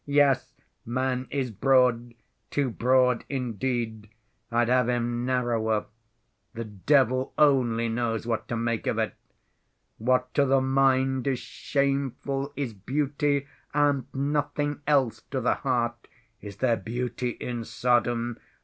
Yes, man is broad, too broad, indeed. I'd have him narrower. The devil only knows what to make of it! What to the mind is shameful is beauty and nothing else to the heart. Is there beauty in Sodom?